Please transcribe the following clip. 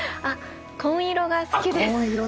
紺色が好きです。